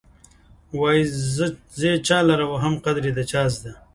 وايې زه یې چا لره وهم قدر يې چا زده.